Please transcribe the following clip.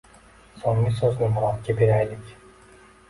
So‘nggi so‘zni Murodga beraylik.